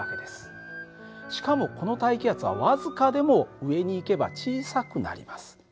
しかもこの大気圧は僅かでも上に行けば小さくなります。